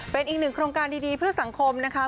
เป็นอีกหนึ่งโครงการดีเพื่อสังคมนะคะ